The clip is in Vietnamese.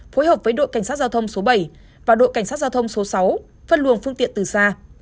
phối hợp với đội cảnh sát giao thông số bảy và đội cảnh sát giao thông số sáu phân luồng phương tiện từ xa